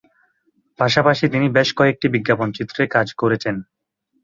পাশাপাশি তিনি বেশ কয়েকটি বিজ্ঞাপনচিত্রে কাজ করেছেন।